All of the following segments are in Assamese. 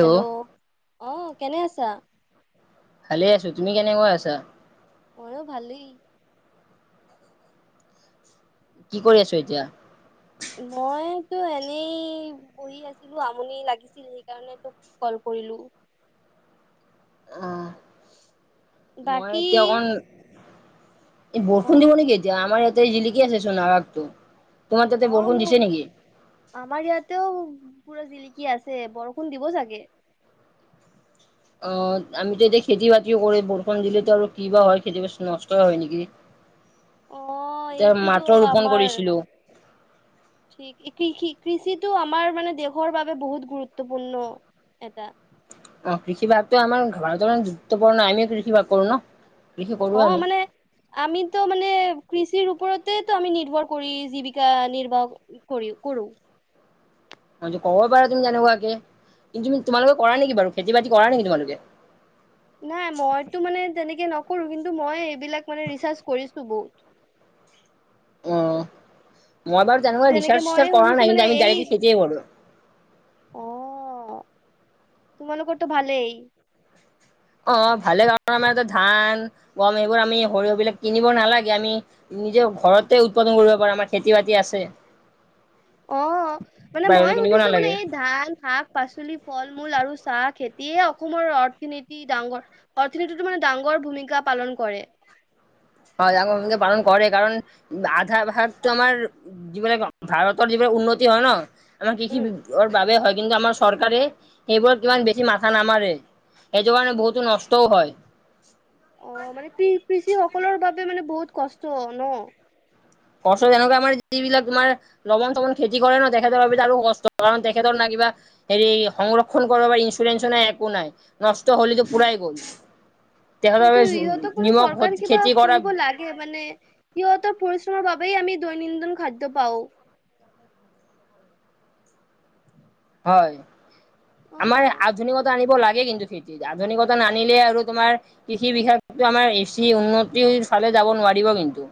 হেল্ল' অ কেনে আছা। ভালে আছো তুমি কেনেকৈ আছা। মইও ভালেই কি কৰি আছো এতিয়া। মইতো এনেই বহি আছিলো আমনি লাগিছিল সেইকাৰণ তোক কল ক কৰিলো। আহ মই বাকী এতিয়া অকণ অ বৰষুণ দিব নেকি এতিয়া আমাৰ ইয়াতে এই জিলিকি আছে চোন আকাশটো তোমাৰ তাতে অ বৰষুণ মোৰ দিছে নেকি আমাৰ ইয়াতেও পুৰা জিলিকি আছে বৰষুণ দিব চাগে। অ আমিতো এতিয়া খেতি বাতিও কৰি বৰষুণ দিলেতো আৰু কি বা হয় খেতি বাতি নষ্টই হয় নেকি? অ এতিয়া এইটোতো মাত্ৰ ৰোপন আমাৰ কৰিছিলো। ঠিক কৃষি কৃষিটো আমাৰ মানে দেশৰ বাবে বহুত গুৰুত্বপূৰ্ণ। এটা। অ, কৃষি ভাগতটো আমাৰ ঘৰত গুৰুত্বপূৰ্ণ আমিও কৃষি ভাগ কৰো ন। কৃষি অ, কৰোৱে আমি মানে আমিতো মানে কৃষিৰ ওপৰত তে তু আমি নিৰ্ভৰ কৰি জীৱিকা নিৰ্বাহ কৰি কৰো। কব পাৰা তুমি তেনেকুৱা কে। কিন্তু তোমালোকে কৰা নেকি বাৰু খেতি-বাতি কৰা নেকি তোমালোকে? নাই মইতো মানে তেনেকে নকৰো। কৰো কিন্তু মই এইবিলাক মানে ৰিচাৰ্চ কৰিছো বহুত। উম। মই বাৰু যেনেকে তেনেকুৱাৰিচাৰ মই চাৰ কৰা শুনিছো নাই মানে কিন্তু এই আমি খেতিয়ে কৰো। অ তোমালোকৰতো ভালে। অ, ভালে কাৰণ আমাৰতে ধান গম এইবোৰ আমি সৰিয়হবিলাক কিনিব নালাগে আমি নিজে ঘৰতে উৎপাদন কৰিব পাৰে আমাৰ খেতি বাতি আছে। অ, মানে মই বাহিৰলৈ কিনিব শুনিছো মানে নালাগে এই ধান শাক পাচলি ফল- মূল আৰু চাহ খেতিয়ে অসমৰ অৰ্থনীতি ডাঙৰ অৰ্থনীতিতো মানে ডাঙৰ ভূমিকা পালন কৰে। হয়কে পালন কৰে কাৰণ আধা ভাগটো আমাৰ যিবিলাক ভাৰতৰ যিবিলাক উন্নতি হয় ন, আমাৰ উম কৃষিৰ বাবে হয়। কিন্তু আমাৰ চৰকাৰে সেইবোৰত কিমান বেছি মাথা নামাৰে। এই টো কাৰণে বহুতো নষ্টও হয়। অ, মানে কৃ- কৃষিসকলৰ বাবে মানে বহুত কষ্ট ন। কষ্ট তেনেকুৱা আমাৰ যিবিলাক তোমাৰ লমন চপন খেতি কৰে ন তেখেতৰ বাবে আৰু কষ্ট কাৰণ তেখেতৰ লা বা হেৰি সংৰক্ষণ কৰ বা ইন্সুৰেন্সো নাই একো নাই, নষ্ট হলেতো পুৰাই গ'ল। তেখেতৰ কিন্তু বাবে ইহঁতৰ কোনো নিমখ চৰকাৰ কিবা খেতি কৰা কৰিব লাগে মানে সিহঁতৰ পৰি বাবেই আমি দৈনন্দিন খাদ্য পাওঁ। হয়। আমাৰ অ আধুনিকতা আনিব লা গে কিন্তু খেতিত, আধুনিকতা নানিলে আৰু তোমাৰ কৃষি বিষয়ো আমাৰ বেছি উন্নতি চালে যাব নোৱাৰিব কিন্তু।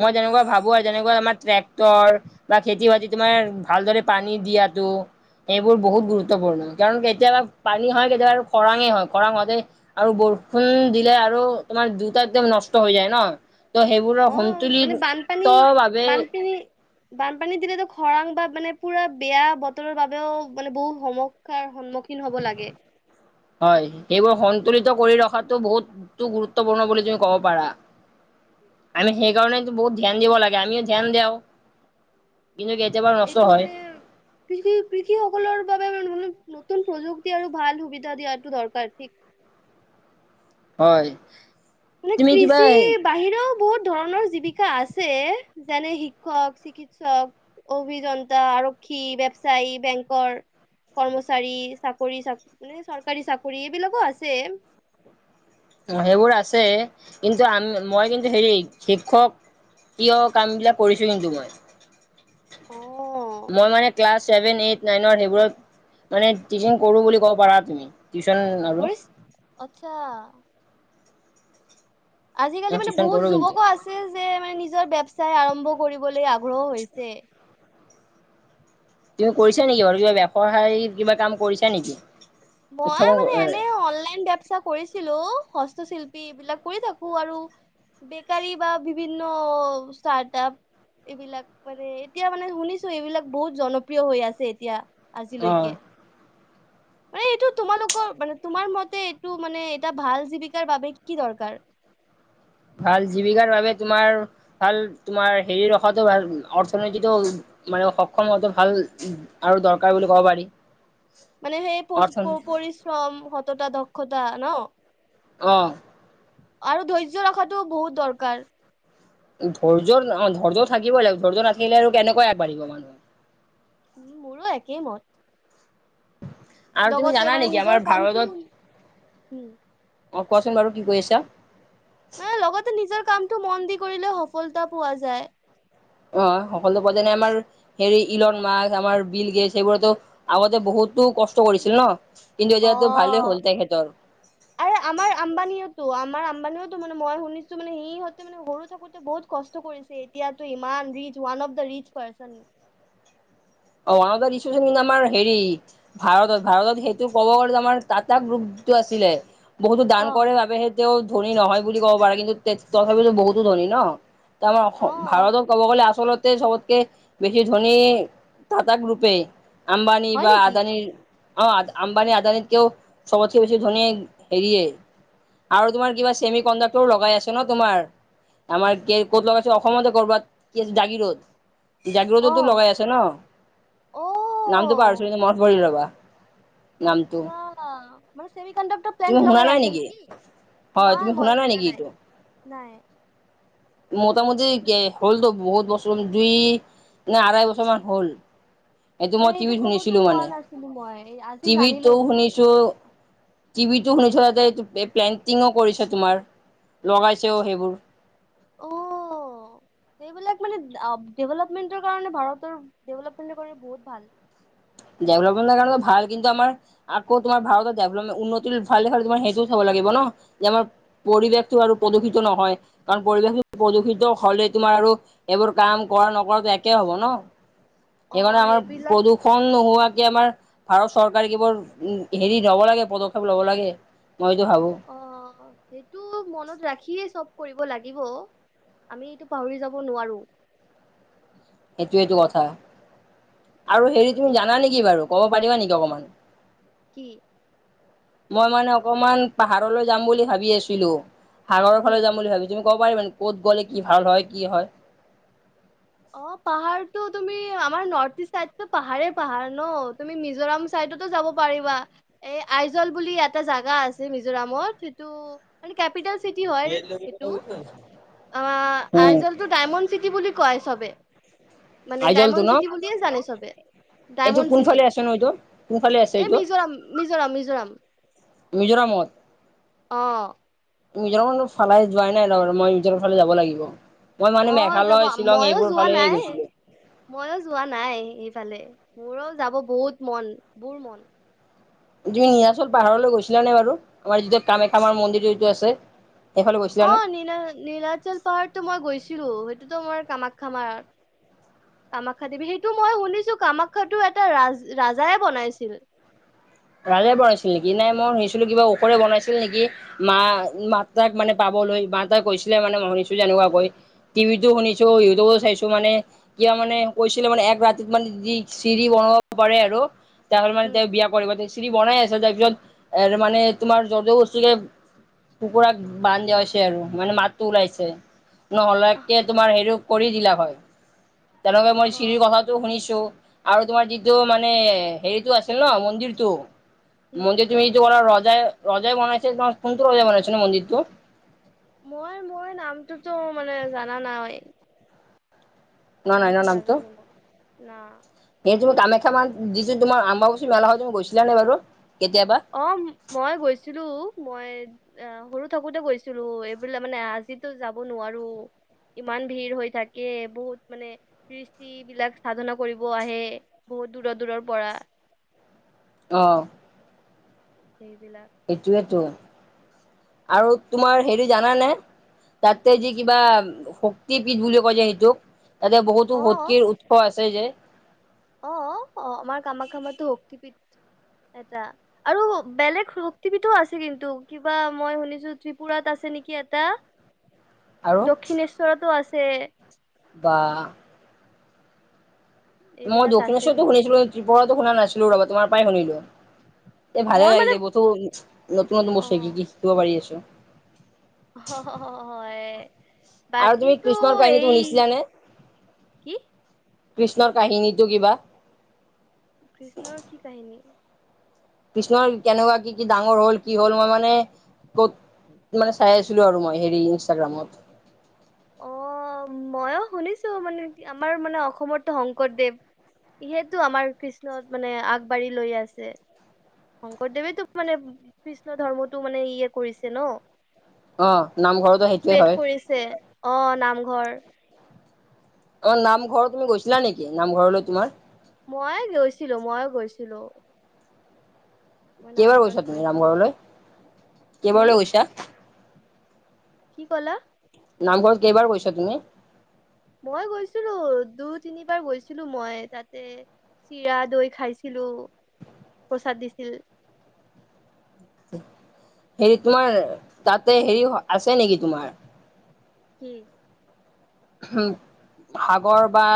মই তেনেকুৱা ভাবো আৰু যে কোৱা আমাৰ ট্ৰেক্টৰ বা খেতি-বাতি তোমাৰ ভালদৰে পানী দিয়াটো এইবোৰ অ বহুত গুৰুত্বপূৰ্ণ। কাৰণ কেতিয়াবা পানী হয়, কেতিয়াবা আৰু খৰাঙ হয়, খৰাং হতে আৰু বৰষুণ দিলে আৰু ত মাৰ দুটা একদম নষ্ট হৈ যায় ন, ত অ সেইবোৰৰ মানে সন্তুলিত বানপানী ভাবে বানপানী বানপানী দিলেতো খৰাং বা মানে পুৰা বেয়া বতৰৰ বাবেও মানে বহু সমস্যা সন্মুখী হয়। এইবোৰ সন্তুলিত কৰি ৰখাটো বহুতো গুৰুত্বপূৰ্ণ বুলি তুমি ক'ব পাৰা। আমি ঠিক ঠিক সেইকাৰনেটো বহুত ধ্যান দিব লাগে, আমিও ধ্যান দেওঁ। এইটো মানে কৃষি -কৃষি সকলৰ বাবে ম মলো নতুন প্ৰযুক্তি আৰু ভাল সুবিধা দিয়াটো দৰকাৰ ঠিক হয়। মানে তুমি কিবা কৃষি বাহিৰেও বহুত ধৰণৰ জীৱিকা আছে যেনে শিক্ষক, চিকিৎসক, অভিযন্তা, আৰক্ষী ক্ষি, ব্যৱসায়ী, বেংকৰ। কৰ্মচাৰী, চাকৰি চা মানে চৰকাৰী চাকৰি এইবিলাকো আছে। সেইবোৰ আছে কিন্তু আম মই কিন্তু হেৰি শিক্ষক কিয় কামবিলাক কৰিছো কিন্তু মই, মই কৰিছ মানে ক্লাছ ছেভেন, এইট, নাইনৰ সেইবোৰত মানে টিচিঙ কৰো বুলি কব পাৰা তুমি। টিউচন আৰু কৰি আচ্ছা। মই আজিকালি মানে টিউচন বহুত কৰো কিন্তু যুৱকো আছে যে মানে নিজৰ ব্যৱসায় আৰম্ভ কৰিবলৈ আগ্ৰহ হৈছে। তুমি কৰিছা নেকি বাৰু কিবা ব্যৱসায় কিবা কাম কৰিছা নেকি? মই উত্থাপন মানে এনে অ অনলাইন বেৱচায় কৰিছিলো। ক শিল্পী এইবিলাক কৰি থাকো আৰু। বেকাৰি বা বিভিন্ন ষ্টাৰ্ট আপ। এইবিলাক মানে এতিয়া মানে শুনিছো এইবিলাক বহুত জনপ্ৰিয় হৈ আছে এতিয়া। আজিলৈকে? পাই এইটো তোমালোকৰ মানে তোমাৰ মতে এইটো মানে এটা ভাল জীৱিকাৰ বাবে কি দৰকাৰ? [unintelligible] ভাল জীৱিকাৰ বাবে তোমাৰ ভাল তোমাৰ হেৰি ৰখাটো ভাল অৰ্থনীতিটো মানে সক্ষম হোৱাটো ভাল আৰু দৰকাৰ বুলি ক'ব পাৰি। মানে সেই প অৰ্থ -পৰিশ্ৰম, সতটা, দক্ষতা ন। অহ। আৰু ধৈৰ্য ৰখাটো বহুত দৰকাৰ। ধৈৰ্যৰ অ ধৈৰ্য থাকিবই লাগ ধৈৰ্য্য নাথাকিলে আৰু কেনেকৈ আগবাঢ়িব মানুহ। উম মোৰো একেইমত। আৰু তুমি জানা নেকি নিজৰ আমাৰ কামটো উম ভাৰতত অ কোৱাচোন বাৰু কি কৰি আছা? মান লগতে নিজৰ কামটো মন দি কৰিলে সফলতা পোৱা যায়। অ সকলো পোৱা যেনে আমাৰ হেৰি ইলন মাছ, আমাৰ বিল গেছ সেইবোৰতো আগতে বহুত হুতো কষ্ট কৰিছিল ন। ইন্দু অ দিয়াতটো ভালে হ'ল তেখেতৰ। মানেওো মানে মই শুনিছো মানে সিহতে মানে সৰু থাকোতে বহুত কষ্ট কৰিছে এতিয়াতো ইমান ৰিচ ওান। চপ দৰি ৰিচ পাৰচন। অ ওৱান অ কিন্তু আমাৰ হেৰি ভাৰত ভাৰত সেইটো ক'ব গ'লে আম টা গ্ৰুপ। আছিলে? বহুতো দান অ কৰে বাবে সেই তেওঁ ধনী নহয় বুলি ক'ব পাৰে কিন্তু তথাপিতো বহুতো ধনী ন। আমাৰ অ অসম অ ভাৰতত ক'ব গ'লে আচলতে চবতকে বেছি ধনী। টাটা গ্ৰুপে আম্বানী হয় বা নেকি আদানীৰ। অ আম্বানি আদানী কও সবতে বেছি ধনীয়ে হেৰিয়ে। আৰু তোমাৰ কিবা চেমি কণ্ডাক্টৰ লগাই আছে ন তোমাৰ। আমাৰ কি ক'ত লগাইচো আমাৰ অসমতে কৰবাত কি আছে জাগিৰোত। অ জাগ্ৰততো লগাই আছে ন। অ নামটো পাহৰিছো মানে মনট কৰি ৰবা। নামটো আচ্ছা ম ক প্ণ্ট তুমি শুনা লগাই নাই আছে নেকি। হয় তুমি শুনা নাই নেকি এইটো। নাই মোটামুটি হ'লতো বহুত বছৰ দুই নে আঢ়াই বছৰ মান হ'ল। মই মানে এইটো টিভিত খবৰটো শুনিছিলো মানে পোৱা নাছিলো মই আজি জানিলো তোমাৰ পৰা। কি ভিটো অ। শুনি থতে। পেইণ্টিঙো কৰিছে তোমাৰ লগাইছেও সেইবোৰ? অ সেইবো। সেই বিলাক মানে ডেভলা কাৰনে মানে বহোত ভাল। ডেভলপমেণ্টৰ কাৰণো ভাল কিন্তু আমাৰ আমাৰ ভাৰতভপমে উন্নতিৰ ভাল দে তোম সেইটো হ'ব লাগে। মাৰ পৰিৱেশটো আৰু প্ৰদূষিত নহয় কাৰণ পৰিৱেশ প্ৰদূষিত হলে তোমাৰ। আৰু এইবোৰ কাম কৰা নকো একে হব ন অ সেইকাৰণে আমাৰ সেইবিলাক প্ৰদূষণ। নোহোৱাকে আমাৰ ভাৰত চৰকাৰে কেৱোৰ উ হেৰি লব লাগে পদক্ষেপ লব লাগে। মইতো ভাবো অ সেইটো মনত ৰাখিয়ে চব। কৰিব লাগিব আমি এইটো পাহৰি যাব নোৱাৰো? এইেইটো এইটো কথা আৰু অ হেৰি তুমি ঠিক জানা ঠিক নেকি বাৰু ক'ব পাৰিবা নেকি অকমান। কি মই মানে অকমান পাহাৰলৈ যাম বুলি ভাবি আছিলো, সাগৰৰ উম। ফালে যাম বুলি ভাবিছো। ক'ব পাৰি মানে ক'ত গ'লে কি ভাল হয় কি হয়। অ পাহাৰটো তুমি আমাৰ নৰ্থ ইষ্ট চাইদটো পাহাৰ পাহাৰ ন। তুমি মিজোৰাম চাইডতো যাব পাৰিবা। এই আইজল বুলি এটা জাগা আছে মিজোৰামত, সেইটো কেপিতেল চিটি হয় সেইটো। উম আইজলটো ডাইমণ্ড চিটি বুলি কয়। চব মানে আইজলটো ডায়মণ্ড ন চিটি বুলিয়ে জানে চবে। এইটো ডায়মণ্ড চিটি, কোনফালে আছে ন এইটো কোনফালে আছে এই এইটো মিজোৰাম মিজোৰাম মিজোৰাম। মিজোৰামত? অ। মিজোৰামো ফালে যোৱাই নাই, মই মিজোৰাম ফালে যাব লাগিব। মই মানে অ যাব মেঘালয় শ্বিলং মইয়ো এইবোৰ যোৱা ফালেহে নাই, গৈছিলো মইয়ো যোৱা নাই ফালে, ‌মোৰো যাব বহুত মন বোৰ মন। তুমি নিৰাচল পাহাৰলৈ গৈছিলা নে বাৰু, আমাৰ যিটো কামাখ্যামাৰ মন্দিৰ যিটো আছে? সেইফালে অ গৈছিলানে? নীল নীলাচল পাহাৰতো মই গৈছিলো। সেইটোতো মই কামাখ্যামাৰ কামাখ্যা দেৱী। সেইটো মই শুনিছো কামাখ্যাটো এটা ৰাজ ৰাজাই বনাইছিল। [inaudible] ৰাে বনাইছিল নেকি। নাই মই শুনিছিলো কিবা ওখৰে বনাইছিল নেকি, মা মাত তাক মানে পাব ম এটা গৈছিলে মানে শুনিছো যেনেকুৱাকৈ। টিভিটো শুনিছো, ইউটিউবো চাইছো মানে, ক মানে কৈছিলে মানে এক ৰাতিত মানে যদি চিৰি বনাব পাৰে আৰু তেনেহ'লে মানে উম তেওঁ বিয়া কৰিব। চিৰি বনাই আছে, তাৰ পিছত এ মানে তোমাৰ জ বস্তুকে কুকুৰাক বান দিয়া হৈছে আৰু মানে মাতটো ওলাইছে। নহলেকে তোমাৰ হেৰি কৰি দিলা হয়। তেনেকে মই চিৰিৰ কথাটো শুনিছোঁ, আৰু তোমাৰ যিটো মানে হেৰিতটো আছিল ন মন্দিৰটো। উম মন্দিৰ তুমিটো কৰা ৰজাই ৰজাই বনাইছে ন, কোনটো ৰজাই বনাইছ ন মন্দিৰটো? মই মই নামটোতো মানে জানা নাই। ন নাই নামটো ন নাজানোঁ মই না। মই কামাখ্যা মান দিছোঁ, তোমাৰ আম্বচ মেলা হয় য মই গৈছিলা নে বাৰু? কেতিয়াবা অ মই গৈছিলোঁ। মই অ সৰু থাকোতে গৈছিলোঁ। এইবিল মানে আজিতো যাব নোৱাৰোঁ। ইমান ভিৰ হৈ থাকে, বহুত মানে কৃষ্টি বিলাক সাধনা কৰিব আহে। বহু বহু দূৰৰ দূৰৰ পৰা। অহ। সেইবিলাক এইটোৱেটো। [inaudible] আৰু তোমাৰ হেৰি জানানে, তাতে যি কিবা শক্তি পীঠ বুলি কয় যে সেইটোক, এতিয়া বহুতো শক্তিৰ উৎস আছে যে।। অ অ অ আমাৰ কামাখ্যামাতো শক্তিপীঠ, এটা আৰু বেলেগ শক্তিবিধো আছে কিন্তু, কিবা মই শুনিছোঁ ত্ৰিপুৰাত আছে। দিছে নেকি এটা, আৰু দক্ষিণেশ্বৰতো আছে বা, মই এইবিলাক আছে দক্ষিণেশ্বৰতো কিন্তু শুনিছিলোঁ, ত্ৰিপুৰাতো শুনা নাছিলো, তোমাৰ পৰাই শুনিলোঁ। এই ভালে মই মানে লাগিলে বহু নতুন নতুন বস্তু অ শিকি শিকিব পাৰি আছোঁ। অ হয়। আৰু তুমি বাকীতো কৃষ্ণৰ কাহিনীটো এই শুনিছিলানে? কি কৃষ্ণৰ কাহিনীটো কিবা? কৃষ্ণৰ কি কাহিনী? কৃষ্ণৰ কেনেকুৱা কি কি ডাঙৰ হ'ল, কি হ'ল মই মানে ক'ত। মানে চাই আছিলোঁ আৰু মই হেৰি ইনষ্টাগ্ৰামত। অ মইয়ো শুনিছোঁ মানে আমাৰ মানে অসমতো শংকৰদেৱ- যিহেটো আমাৰ কৃষ্ণত মানে আগবাঢ়ি লৈ আছে। শংকৰদেৱে তোক মানে কৃষ্ণ ধৰ্মটো মানে ইয়ে কৰিছে ন- অ নামঘৰতো সেইটোৱে স্প্ৰেড হয় কৰিছে আহ নামঘৰ- তমাৰ নামঘৰ তুমি গৈছিলা নেকি নামঘৰলৈ তোমাৰ- মইয়ে গৈছিলোঁ ময়ো গৈছিলোঁ। কেইবাৰ গৈছা তুমি নামঘৰলৈ হম কেইবাৰলৈ গৈছা কি কলা? নামঘৰত কেইবাৰ কৈছা তুমি? মই গৈছিলোঁ দুই তিনিবাৰ গৈছিলোঁ মই তাতে- চিৰা, দৈ খাইছিলোঁ প্ৰসাদ দিছিল। হেৰি তোমাৰ তাতে হেৰি আছে নেকি তোমাৰ- কি? উম সাগৰ বা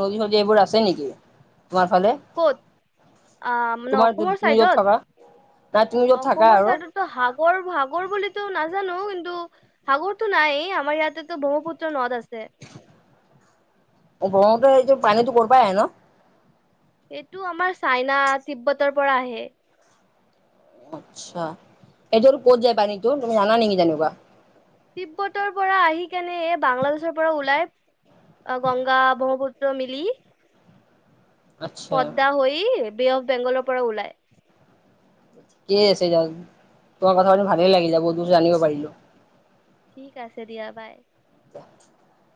নদী চদী এইবোৰ আছে নেকি? তোমাৰ ফালে ক'ত আহ মানে তোমাৰ অসমৰ তুমি য'ত থকা নাই তুমি চাইডত- য'ত থাকা অসমৰ আৰু ছাইডতো সাগৰ সাগৰ বুলিতো নাজানোঁ কিন্তু সাগৰটো নাই আমাৰ ইয়াতেতো ব্ৰহ্মপুত্ৰ নদ আছে। ব্ৰহ্মপুত্ৰৰ এইটো পানীতটো কৰ পৰা আহে ন এইটো আমাৰ চাইনা তিব্বতৰ পৰা আহে ন। আচ্ছা এইযোৰ ক'ত যায় পানীটো তুমি জানা নেকি তেনেকুৱা- তিব্বতৰ পৰা আহি কেনে এ বাংলাদেশৰ পৰা ওলাই। গংগা, ব্ৰহ্মপুত্ৰ, মিলি, - আচ্ছা পদদা হৈ বে অফ বেংগলৰ পৰা ওলাই। ঠিক আছে দিয়ক তোমাৰ কথা পাতি ভালেই লাগিল বহুত জানিব পাৰিলো। ঠিক আছে দিয়া বাই। [inaudible]